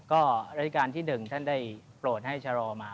ก็ราชการที่๑ท่านได้โปรดให้ชะลอมา